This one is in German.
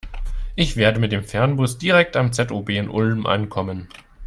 Ich werde mit dem Fernbus direkt am ZOB in Ulm ankommen.